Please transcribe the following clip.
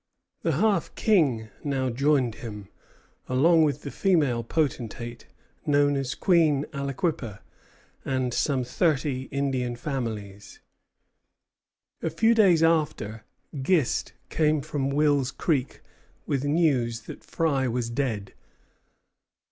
The Half King now joined him, along with the female potentate known as Queen Alequippa, and some thirty Indian families. A few days after, Gist came from Wills Creek with news that Fry was dead.